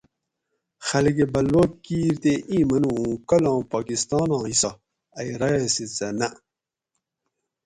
خلق بلوہ کیر تے اِیں منو اُُوں کالام پاکستاناں حصّہ ائی ریاست سہ نہ